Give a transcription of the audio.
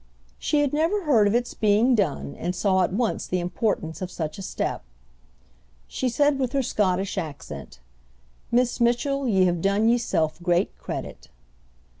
"She had never heard of its being done, and saw at once the importance of such a step." She said with her Scotch accent, "Miss Mitchell, ye have done yeself great credit."